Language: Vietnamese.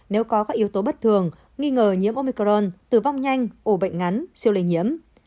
nếu có các yếu tố bất thường nghi ngờ nhiễm omicron tử vong nhanh ủ bệnh ngắn siêu lây nhiễm